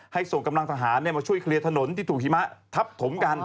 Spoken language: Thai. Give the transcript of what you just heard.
ส่งกำลังทหารมาช่วยเคลียร์ถนนที่ถูกหิมะทับถมกัน